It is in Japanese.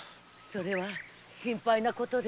それは心配なことですね。